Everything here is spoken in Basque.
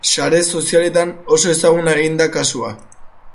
Sare sozialetan oso ezaguna egin da kasua.